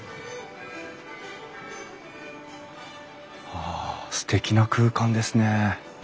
わあすてきな空間ですね。